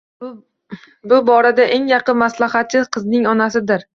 Bu borada eng yaqin maslahatchi qizning onasidir.